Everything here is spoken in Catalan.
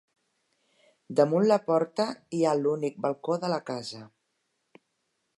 Damunt la porta hi ha l'únic balcó de la casa.